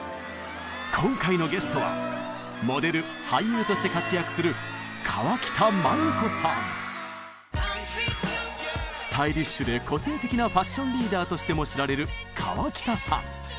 今回のゲストはモデル俳優として活躍するスタイリッシュで個性的なファッションリーダーとしても知られる河北さん。